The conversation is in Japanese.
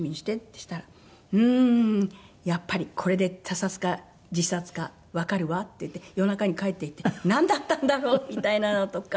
したら「うーん。やっぱり。これで他殺か自殺かわかるわ」って言って夜中に帰って行ってなんだったんだろう？みたいなのとか。